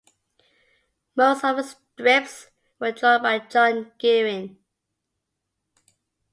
Most of the strips were drawn by John Geering.